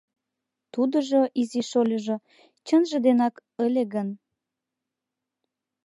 Тудыжо, изи шольыжо, чынже денак ыле гын?